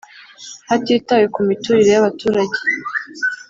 Hatitawe ku miturire y abaturage